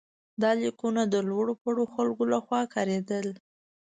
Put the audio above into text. دا لیکونه د لوړ پوړو خلکو لخوا کارېدل.